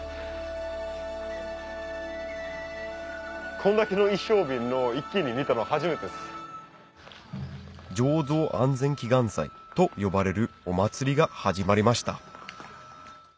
こんだけの一升瓶を一気に見たの初めてです。と呼ばれるお祭りが始まりました